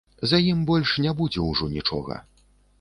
За ім больш не будзе ўжо нічога.